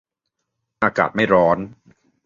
อากาศไม่ร้อน